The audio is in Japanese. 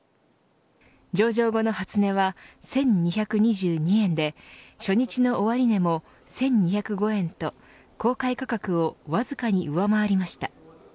上場後の初値は１２２２円で初日の終値も１２０５円と公開価格をわずかに上回りました。